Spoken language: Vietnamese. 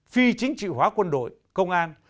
phi chính trị hóa quân đội công an